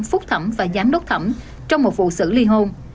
phúc thẩm và giám đốc thẩm trong một vụ xử lý hôn